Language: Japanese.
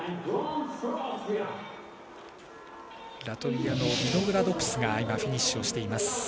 ラトビアのビノグラドブスがフィニッシュしています。